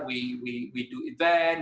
kita melakukan acara